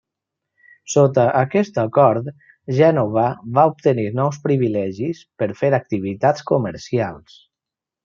Sota aquest acord, Gènova va obtenir nous privilegis per fer activitats comercials.